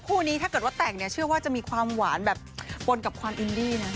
คู่นี้ถ้าเกิดว่าแต่งเนี่ยเชื่อว่าจะมีความหวานแบบปนกับความอินดี้นะ